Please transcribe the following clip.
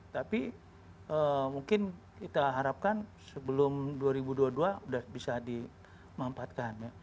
tapi mungkin kita harapkan sebelum dua ribu dua puluh dua sudah bisa dimampatkan